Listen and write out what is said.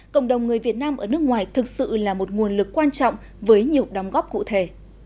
cộng đồng người việt nam ở nước ngoài thực sự là một nguồn lực quan trọng với nhiều đóng góp cụ thể